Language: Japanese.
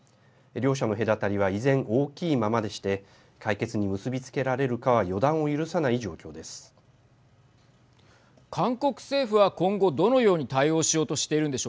両者の隔たりは依然大きいままでして解決に結び付けられるかは予断を許さない状況です。